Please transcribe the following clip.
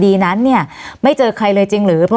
วันนี้แม่ช่วยเงินมากกว่า